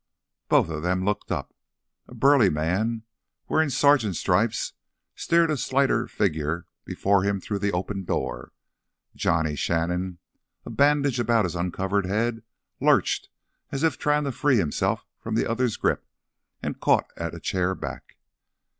Both of them looked up. A burly man wearing sergeant's stripes steered a slighter figure before him through the open door. Johnny Shannon, a bandage about his uncovered head, lurched as if trying to free himself from the other's grip and caught at a chair back.